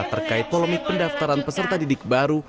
terkait polemik pendaftaran peserta didik baru